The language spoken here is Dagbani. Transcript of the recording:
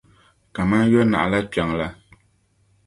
kaman yo’ naɣilaa kpiɔŋ la.